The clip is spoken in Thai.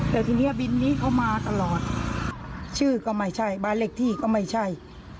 แต่ทีนี้บินนี้เขามาตลอดชื่อก็ไม่ใช่บ้านเลขที่ก็ไม่ใช่